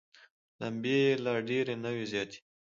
لمبې یې لا ډېرې نه وزياتوي.